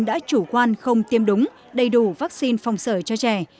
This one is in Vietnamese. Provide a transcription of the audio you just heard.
đã chủ quan không tiêm đúng đầy đủ vaccine phòng sở cho trẻ